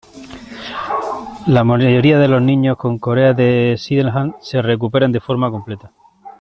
La mayoría de los niños con corea de Sydenham se recuperan en forma completa.